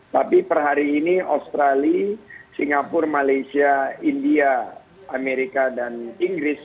tapi per hari ini australia singapura malaysia india amerika dan inggris